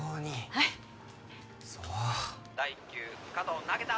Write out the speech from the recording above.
はいそう第１球加藤投げた